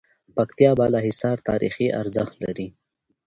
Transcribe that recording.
پکتيا بالاحصار تاريخي ارزښت لری